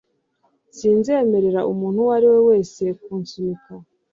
Sinzemerera umuntu uwo ari we wese kunsunika